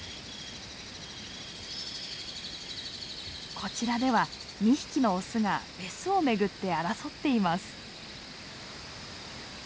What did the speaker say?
こちらでは２匹のオスがメスをめぐって争っています。